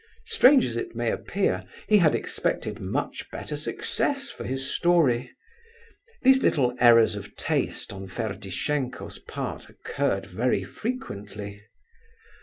Strange as it may appear, he had expected much better success for his story. These little errors of taste on Ferdishenko's part occurred very frequently.